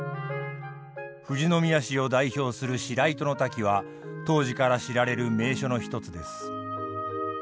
富士宮市を代表する白糸の滝は当時から知られる名所の一つです。